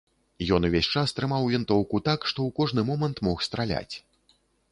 Ён увесь час трымаў вінтоўку так, што ў кожны момант мог страляць.